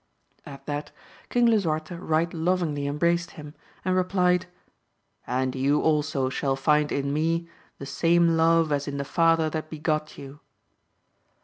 At that King Lisuarte right lovingly embraced him, and replied, And you also shall find in me the same love as in the father that begot you.